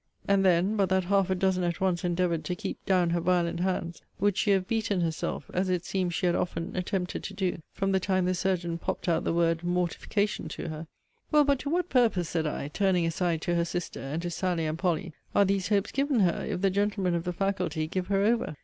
And then, but that half a dozen at once endeavoured to keep down her violent hands, would she have beaten herself; as it seems she had often attempted to do from the time the surgeon popt out the word mortification to her. Well, but to what purpose, said I (turning aside to her sister, and to Sally and Polly), are these hopes given her, if the gentlemen of the faculty give her over?